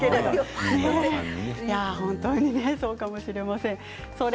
本当にそうかもしれません。